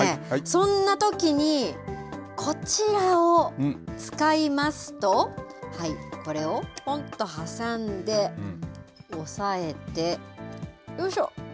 そんなときにこちらを使いますと、これを、ぽんと挟んで、押さえて、よいしょ。